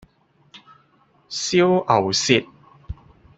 燒牛舌